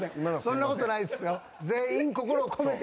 そんなことないっすよ。